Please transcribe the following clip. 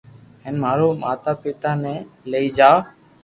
ھين مارو پاتا پيتا ني لئي جاو